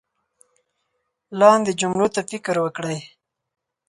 لاندې جملو ته فکر وکړئ